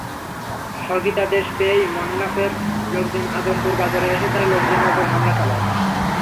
স্থগিতাদেশ পেয়েই মন্নাফের লোকজন আদমপুর বাজারে এসে তাঁর লোকজনের ওপর হামলা চালায়।